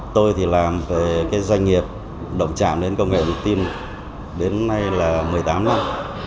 tôi thì làm với doanh nghiệp động trạm đến công nghệ thông tin đến nay là một mươi tám năm